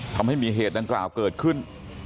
ทำให้มีเหตุดังกล่าวเกิดขึ้น